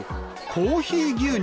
コーヒー牛乳！